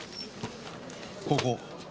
ここ。